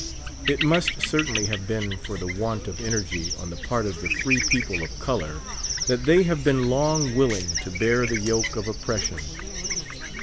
It must certainly have been for the want of energy on the part of the free people of color that they have been long willing to bear the yoke of oppression.